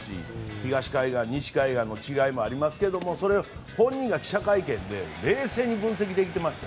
東海岸、西海岸の違いもありますけどそれを本人が記者会見で冷静に分析できていました。